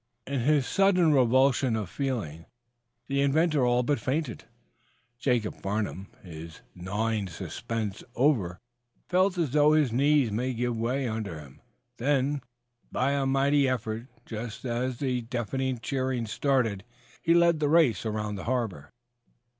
In his sudden revulsion of feeling the inventor all but fainted. Jacob Farnum, his gnawing suspense over, felt as though his knees must give way under him. Then, by a mighty effort, just as the deafening cheering started, he led the race around the harbor.